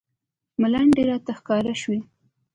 ملنډې راته ښکاره شوې.